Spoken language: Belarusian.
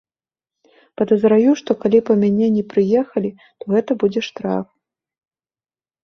Падазраю, што калі па мяне не прыехалі, то гэта будзе штраф.